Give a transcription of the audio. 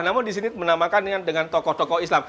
namun disini menamakan dengan tokoh tokoh islam